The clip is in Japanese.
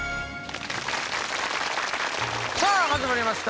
さあ始まりました